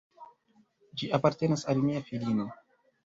Ĝi apartenas al mia filino.